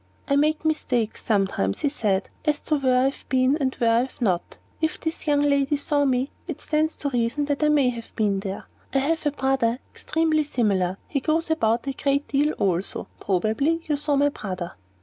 "I make mistakes sometimes," he said, "as to where I have been and where I have not. If this young lady saw me there, it stands to reason that I may have been there. I have a brother extremely similar. He goes about a good deal also. Probably you saw my brother."